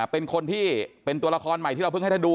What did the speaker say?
เป็นคนที่เป็นตัวละครใหม่ที่เราเพิ่งให้ท่านดู